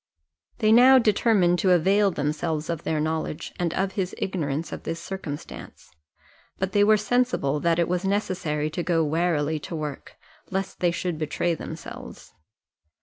They now determined to avail themselves of their knowledge, and of his ignorance of this circumstance: but they were sensible that it was necessary to go warily to work, lest they should betray themselves.